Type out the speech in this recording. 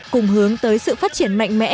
cùng hướng tới sự phát triển mạnh mẽ